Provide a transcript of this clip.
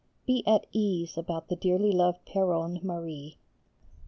Be at ease about the dearly loved Péronne Marie.